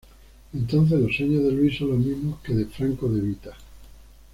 Entonces los sueños de Louis son los mismos que de Franco De Vita.